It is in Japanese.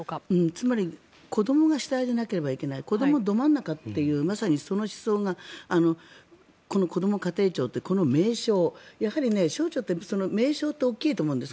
つまり子どもが主体じゃなければいけない子どもど真ん中というまさにその思想がこのこども家庭庁という名称やはり省庁って名称って大きいと思うんです。